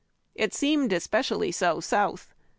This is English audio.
It seemed especially so South.